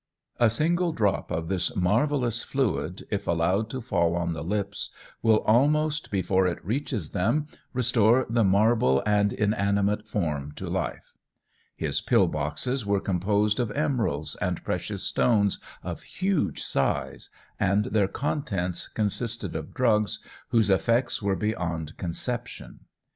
A single drop of this marvellous fluid, if allowed to fall on the lips, will, almost before it reaches them, restore the marble and inanimate form to life. His pill boxes were composed of emeralds and precious stones of huge size, and their contents consisted of drugs, whose effects were beyond conception.